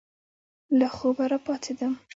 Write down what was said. له خوبه را پاڅېدم.